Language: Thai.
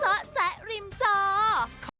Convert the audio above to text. ลูกรอบมาช่วยเรา